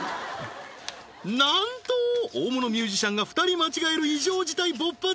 なんと大物ミュージシャンが２人間違える異常事態勃発